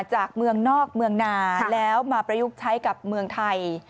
จากเมืองนอกเมืองนาแล้วมาประยุกต์ใช้กับเมืองไทย